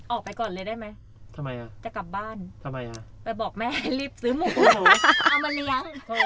ออกไปก่อนเลยได้ไหมจะกลับบ้านไปบอกแม่รีบซื้อหมูเอามาเลี้ยง